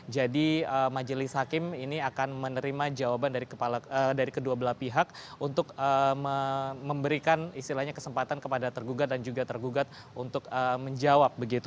jadi majelis hakim ini akan menerima jawaban dari kedua belah pihak untuk memberikan istilahnya kesempatan kepada tergugat dan juga tergugat untuk menjawab